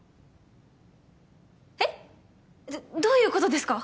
えっどどういうことですか？